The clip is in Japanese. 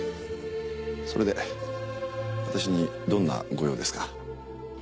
それで私にどんなご用ですか？